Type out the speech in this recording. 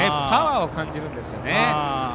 パワーを感じるんですよね。